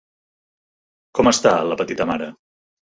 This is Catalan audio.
Com està la petita mare?